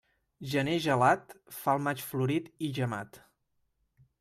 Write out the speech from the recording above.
Gener gelat fa el maig florit i gemat.